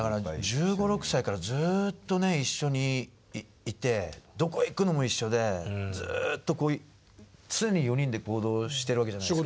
１５１６歳からずっとね一緒にいてどこへ行くのも一緒でずっと常に４人で行動してるわけじゃないですか。